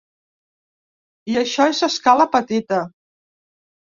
I això és a escala petita.